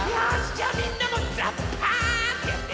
じゃあみんなも「ざっぱーん！」ってやって。